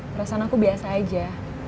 perasaan aku biasa aja